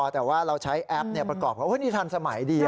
แต่ว่าเราใช้แอปเนี่ยประกอบว่าโอ้ยนี่ทำสมัยดีอ่ะ